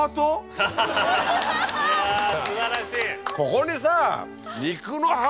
ここにさ。